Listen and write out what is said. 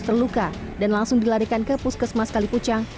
terluka dan langsung dilarikan ke puskesmas kalipucang